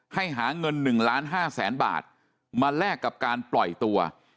ให้หาเงิน๑๕๐๐๐๐๐บาทมาแลกกับการปล่อยตัว